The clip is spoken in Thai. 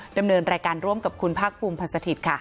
ดำเนินรายการร่วมกับคุณภาคภูมิพันธ์สถิตย์ค่ะ